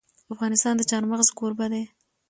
افغانستان د چار مغز کوربه دی.